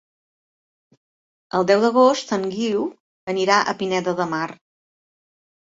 El deu d'agost en Guiu anirà a Pineda de Mar.